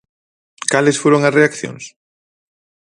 Cales foron as reaccións?